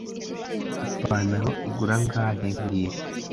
Ipantaro igura angahe mbwira